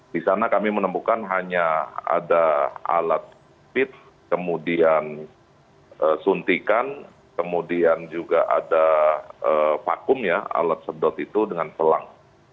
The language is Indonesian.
di sana kami menemukan hanya ada alat pit kemudian suntikan kemudian juga ada vakum ya alat sedot itu dengan selang